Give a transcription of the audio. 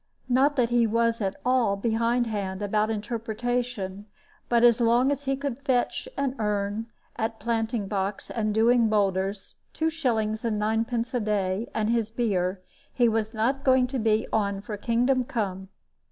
Not that he was at all behindhand about interpretation; but as long as he could fetch and earn, at planting box and doing borders, two shillings and ninepence a day and his beer, he was not going to be on for kingdom come.